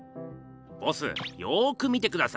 ボスよく見てください。